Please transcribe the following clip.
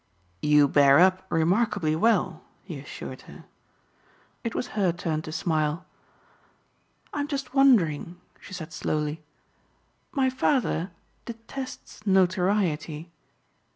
"You bear up remarkably well," he assured her. It was her turn to smile. "I'm just wondering," she said slowly. "My father detests notoriety."